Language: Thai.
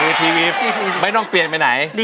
คือทีวีไม่ต้องเปลี่ยนไปไหนนะครับ